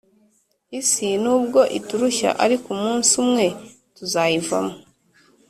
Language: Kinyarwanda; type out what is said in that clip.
Isi nubwo iturushya ariko umunsi umwe tuzayivamo